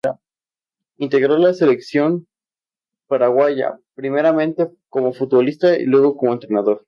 Integró la Selección Paraguaya, primeramente como futbolista y luego como entrenador.